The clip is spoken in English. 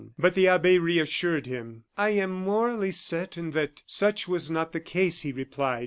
But the abbe reassured him. "I am morally certain that such was not the case," he replied.